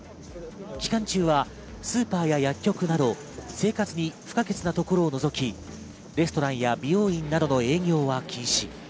期間中はスーパーや薬局など生活に不可欠なところを除き、レストランや美容院などの営業は禁止。